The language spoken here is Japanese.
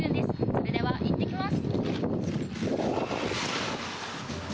それではいってきます。